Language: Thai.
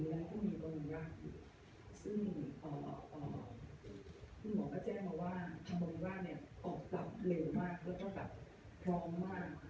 และต้องมีบรรยากิจซึ่งคุณหมอแจ้งมาว่าทางบรรยากิจออกต่อเร็วมากและต้องตัดพร้อมมาก